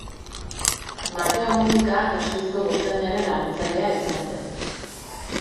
Mateo Mujika Gasteizko gotzainaren laguntzailea izan zen.